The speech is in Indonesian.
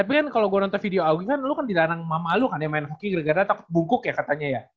tapi kan kalau gue nonton video awi kan lu kan dilarang mama alu kan yang main hoki gara gara takut bungkuk ya katanya ya